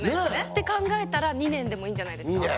って考えたら２年でもいいんじゃないですか？